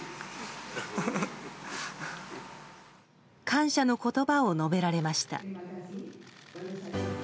感謝の言葉を述べられました。